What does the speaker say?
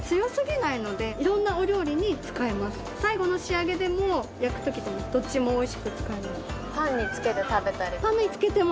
最後の仕上げでも焼く時でもおいしく使えます。